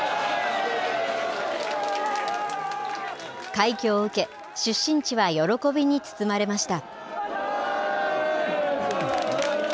快挙を受け、出身地は喜びに包まれました。